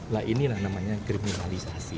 lah ini yang namanya kriminalisasi